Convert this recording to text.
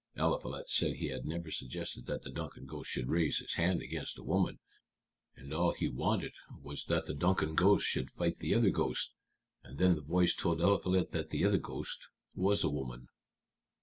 Eliphalet said he had never suggested that the Duncan ghost should raise his hand against a woman, and all he wanted was that the Duncan ghost should fight the other ghost. And then the voice told Eliphalet that the other ghost was a woman."